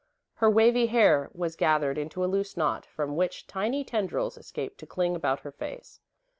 Her wavy hair was gathered into a loose knot, from which tiny tendrils escaped to cling about her face.